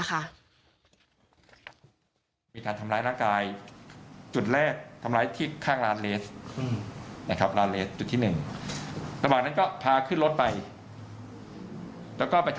คลอดบริเวณความไม่สาป